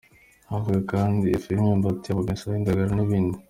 Havaga kandi ifu y’imyumbati, amamesa, indagara n’ibindi.